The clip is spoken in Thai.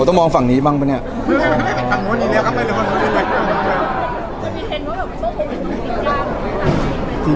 ต้องมองฝั่งนี้บ้างป่ะเนี่ย